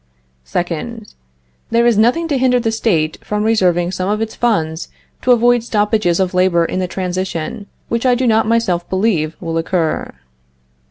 Second. There is nothing to hinder the State from reserving some of its funds to avoid stoppages of labor in the transition, which I do not myself believe will occur.